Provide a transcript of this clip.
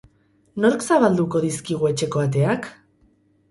Nork zabalduko dizkigu etxeko ateak?